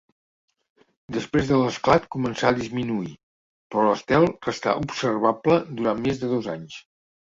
Després l'esclat començà a disminuir, però l'estel restà observable durant més de dos anys.